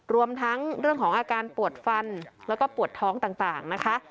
รวมทั้งเรื่องของอาการปวดฟันแล้วก็ปวดท้องต่างนะคะ